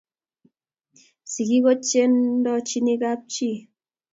singik ko chendochin kab chi